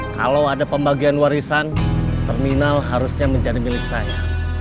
kalau ada pembagian warisan terminal harusnya menjadi milik saya